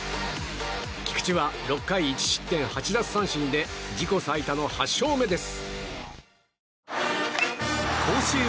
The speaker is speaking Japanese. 菊池は６回１失点８奪三振で自己最多の８勝目です。